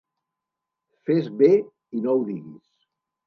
Fes bé i no ho diguis.